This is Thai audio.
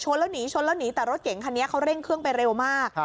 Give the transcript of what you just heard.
หนีชนแล้วหนีแต่รถเก่งคันนี้เขาเร่งเครื่องไปเร็วมาก